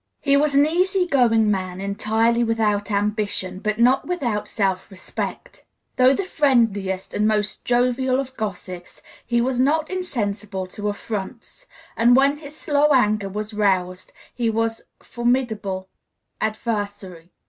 He was an easy going man, entirely without ambition, but not without self respect. Though the friendliest and most jovial of gossips, he was not insensible to affronts; and when his slow anger was roused he was a formidable adversary.